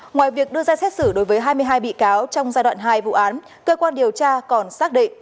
ngoài việc đưa ra xét xử đối với hai mươi hai bị cáo trong giai đoạn hai vụ án cơ quan điều tra còn xác định